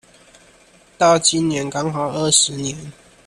到今年剛好二十年